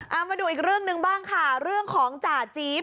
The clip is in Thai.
เอามาดูอีกเรื่องหนึ่งบ้างค่ะเรื่องของจ่าจี๊บ